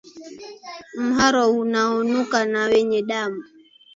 Mharo unaonuka na wenye damu